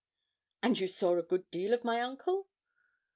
'And you saw a good deal of my uncle?'